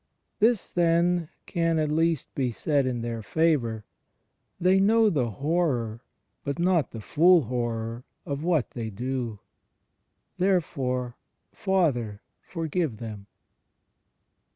This, then, can at least be said in their favour — "They know the horror, but not the full horror, of what they do. Therefore, Father, forgive them."